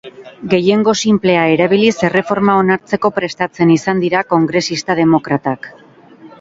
Gehiengo sinplea erabiliz erreforma onartzeko prestatzen izan dira kongresista demokratak.